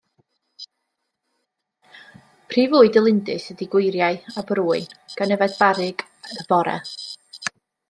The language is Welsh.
Prif fwyd y lindys ydy gweiriau a brwyn, gan yfed barrug y bore.